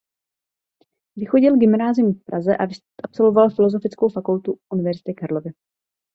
Vychodil gymnázium v Praze a absolvoval Filozofickou fakultu Univerzity Karlovy.